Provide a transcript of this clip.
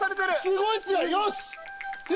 すごい強いよし！